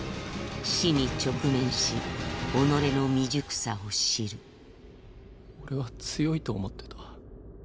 死に直面し己の未熟さを知る俺は強いと思ってた。